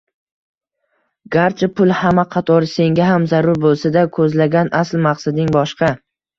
Garchi pul hamma qatori senga ham zarur boʻlsa-da, koʻzlagan asl maqsading boshqa